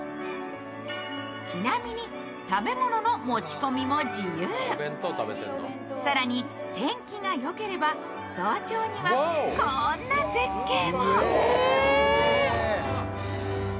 ちなみに、食べ物の持ち込みも自由更に、天気がよければ、早朝にはこんな絶景も。